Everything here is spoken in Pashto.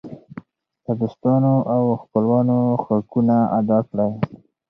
د دوستانو او خپلوانو حقونه ادا کړئ.